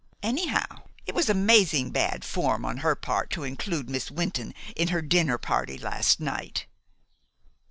Anyhow, it was amazing bad form on her part to include Miss Wynton in her dinner party last night."